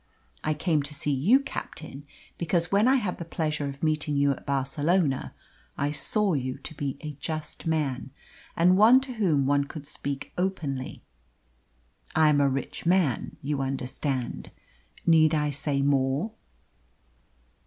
I came to see you, captain, because when I had the pleasure of meeting you at Barcelona I saw you to be a just man, and one to whom one could speak openly. I am a rich man you understand. Need I say more?"